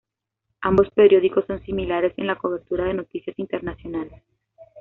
Ambos periódicos son similares en la cobertura de las noticias internacionales.